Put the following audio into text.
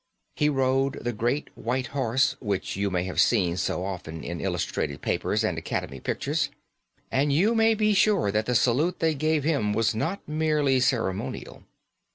He rode the great white horse which you have seen so often in illustrated papers and Academy pictures; and you may be sure that the salute they gave him was not merely ceremonial.